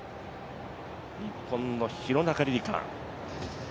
日本の廣中璃梨佳。